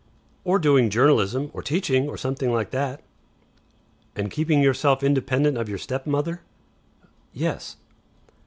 "Or doing journalism, or teaching, or something like that." "And keeping yourself independent of your stepmother?" "Yes."